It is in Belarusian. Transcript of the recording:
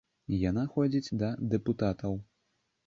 Яна ходзіць да дэпутатаў.